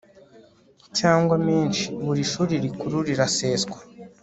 cyangwa menshi buri shuri rikuru riraseswa